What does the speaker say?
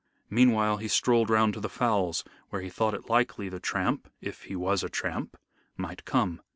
Meanwhile he strolled round to the fowls, where he thought it likely the tramp if he was a tramp might come.